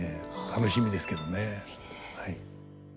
楽しみですけどね。